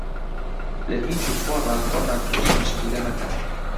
لە هیچ و خۆڕا خۆتان تووشی مشکیلە مەکەن.